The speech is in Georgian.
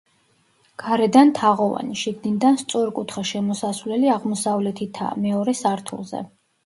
გარედან თაღოვანი, შიგნიდან სწორკუთხა შემოსასვლელი აღმოსავლეთითაა, მეორე სართულზე.